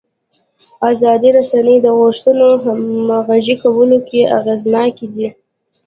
ازادې رسنۍ د غوښتنو همغږي کولو کې اغېزناکې دي.